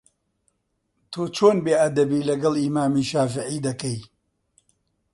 تۆ چۆن بێئەدەبی لەگەڵ ئیمامی شافیعی دەکەی؟